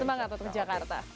semangat untuk jakarta